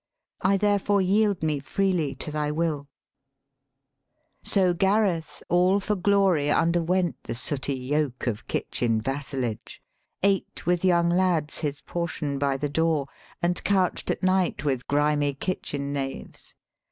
I therefore yield me freely to thy will;' 184 EPIC POETRY So Gareth all for glory underwent The sooty yoke of kitchen vassalage; Ate with young lads his portion by the door, And couch 'd at night with grimy kitchen knaves.